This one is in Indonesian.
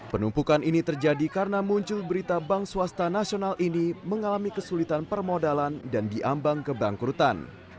penumpukan ini terjadi karena muncul berita bank swasta nasional ini mengalami kesulitan permodalan dan diambang kebangkrutan